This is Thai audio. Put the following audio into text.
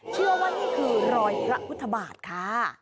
เชื่อว่านี่คือรอยพระพุทธบาทค่ะ